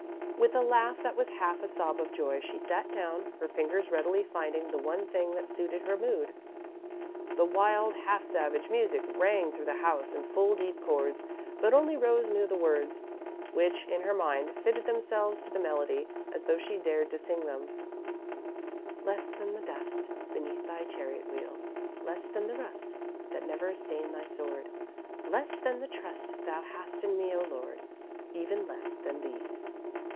With a laugh that was half a sob of joy, she sat down, her fingers readily finding the one thing that suited her mood. The wild, half savage music rang through the house in full, deep chords, but only Rose knew the words, which, in her mind, fitted themselves to the melody as though she dared to sing them: "Less than the dust, beneath thy Chariot wheel, Less than the rust, that never stained thy Sword, Less than the trust thou hast in me, O Lord, Even less then these.